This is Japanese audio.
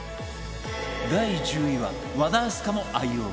第１０位は和田明日香も愛用！